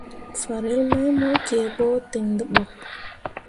Farel mai mo kǝǝɓo ten dǝɓok.